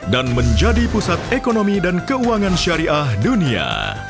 dan menjadi pusat ekonomi dan keuangan syariah dunia